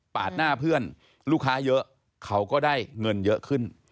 หน้าเพื่อนลูกค้าเยอะเขาก็ได้เงินเยอะขึ้น